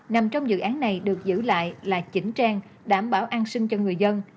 nằm trong dự án này được giữ lại là chỉnh trang đảm bảo an sinh cho người dân